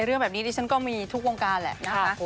เรื่องแบบนี้ดิฉันก็มีทุกวงการแหละนะคะ